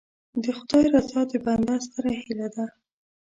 د خدای رضا د بنده ستره هیله ده.